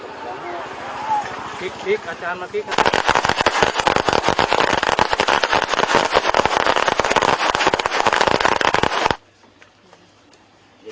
ช่วยด้วยมือและแม่และที่สาธุ